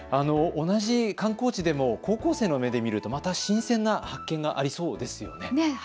同じ観光地でも高校生の目で見るとまた新鮮な発見がありそうですね。